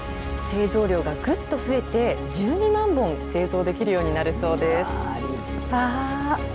製造量がぐっと増えて、１２万本、製造できるようになるそうです。